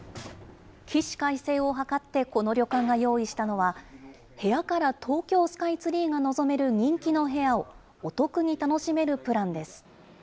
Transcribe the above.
起死回生を図ってこの旅館が用意したのは、部屋から東京スカイツリーが望める人気の部屋をお得に楽しめるプランです。